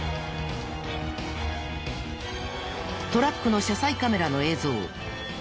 トラックの車載カメラの映像。